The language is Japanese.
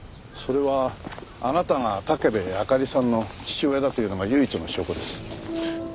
それはあなたが武部あかりさんの父親だというのが唯一の証拠です。